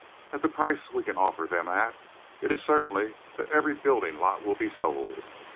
At the price we can offer them at, it is certain that every building lot will be sold.